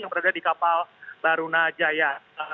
yang berada di kapal barunajaya